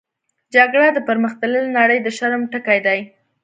جګړه د پرمختللې نړۍ د شرم ټکی دی